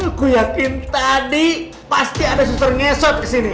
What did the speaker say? aku yakin tadi pasti ada susur ngesot kesini